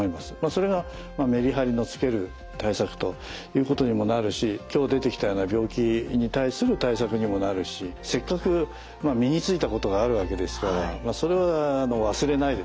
それがメリハリのつける対策ということにもなるし今日出てきたような病気に対する対策にもなるしせっかく身についたことがあるわけですからそれは忘れないでですね